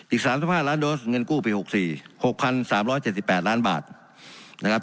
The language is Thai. อีก๓๕ล้านโดรสเงินกู้ปี๖๔๐๐๐๖๓๗๘ล้านบาท